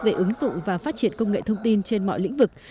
về ứng dụng và phát triển công nghệ thông tin trên mọi lĩnh vực